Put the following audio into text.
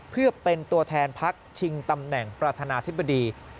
เพื่อเป็นตัวแทนพักชิงตำแหน่งประธานาธิบดี